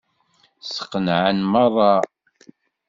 Sqenɛen meṛṛa.